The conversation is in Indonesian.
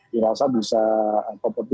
dirasa bisa kompetisi